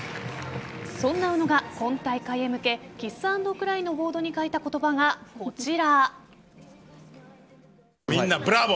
そんな宇野が今大会へ向けキスアンドクライのボードに書いた言葉がこちら。